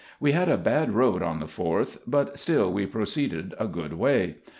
We had a bad road on the 4th , but still we proceeded a good way.